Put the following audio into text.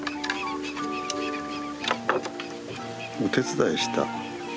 お手伝いした。